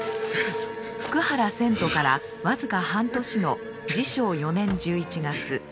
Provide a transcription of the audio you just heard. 福原遷都から僅か半年の治承４年１１月。